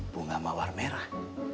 bunga mawar merah